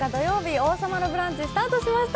「王様のブランチ」スタートしました。